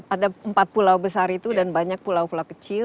ada empat pulau besar itu dan banyak pulau pulau kecil